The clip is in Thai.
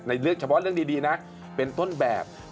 เลือกเฉพาะเรื่องดีนะเป็นต้นแบบ